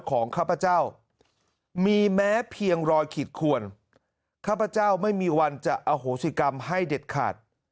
ข้าพเจ้ามีแม้เพียงรอยขีดขวนข้าพเจ้าไม่มีวันจะอโหสิกรรมให้เด็ดขาด